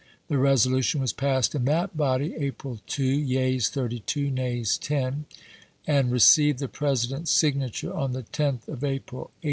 The resolution was passed in that body April 2 (yeas, 32 ; nays, 10), and received the Presi dent's signature on the 10th of April, 1862.